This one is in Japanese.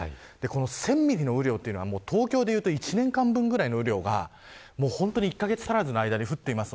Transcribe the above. １０００ミリの雨量というのは東京でいうと１年間分ぐらいの雨量が１カ月足らずの間で降っています。